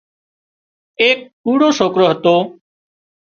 ايڪ ڪوڙو سوڪرو هتو